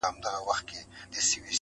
په هر کلي کي یې یو جومات آباد کړ-